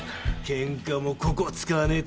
ケンカもここ使わねえとよ。